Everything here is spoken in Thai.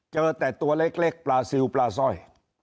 เจอแต่ตัวเล็กเล็กปลาซิวปลาซ่อย